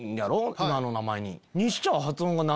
今の名前に。